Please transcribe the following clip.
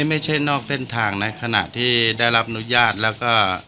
นอกเส้นทางนะขณะที่ได้รับอนุญาตแล้วก็